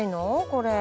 これ。